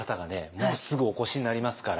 もうすぐお越しになりますから。